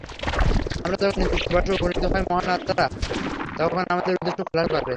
আমরা যখন নির্দিষ্ট বয়সে উপনীত হই, মহান আত্মারা তখন আমাদের উদ্দেশ্য খোলাসা করে।